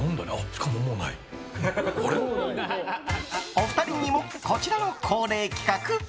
お二人にもこちらの恒例企画。